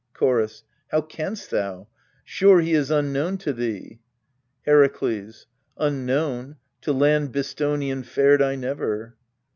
Chorus. How canst thou ? Sure he is unknown to thee ! Herakles. Unknown : to land Bistonian fared I never.